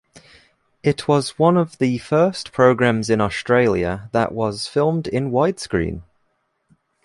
It was one of the first programs in Australia that was filmed in widescreen.